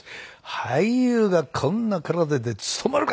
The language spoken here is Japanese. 「俳優がこんな体で務まるか！」